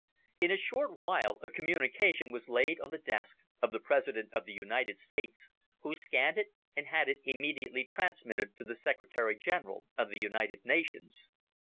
In a short while, a communication was laid on the desk of the President of the United States, who scanned it and had it immediately transmitted to the Secretary General of the United Nations.